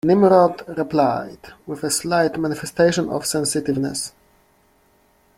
Nimrod replied, with a slight manifestation of sensitiveness.